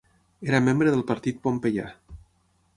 Era membre del partit pompeià.